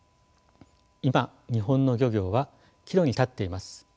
今日本の漁業は岐路に立っています。